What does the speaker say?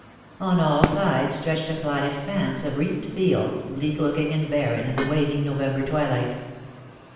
On all sides stretched a flat expanse of reaped fields, bleak looking and barren in the waning November twilight.